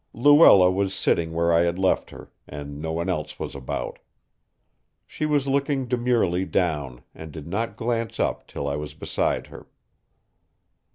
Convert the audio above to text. Luella was sitting where I had left her, and no one else was about. She was looking demurely down and did not glance up till I was beside her.